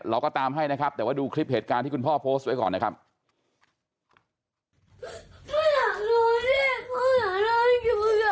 เราก็ตามให้นะครับแต่ว่าดูคลิปเหตุการณ์ที่คุณพ่อโพสต์ไว้ก่อนนะครับ